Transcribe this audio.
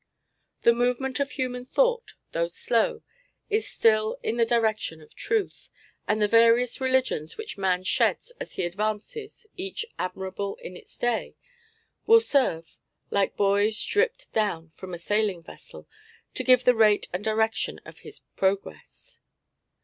The movement of human thought, though slow, is still in the direction of truth, and the various religions which man sheds as he advances (each admirable in its day) will serve, like buoys dropped down from a sailing vessel, to give the rate and direction of his progress.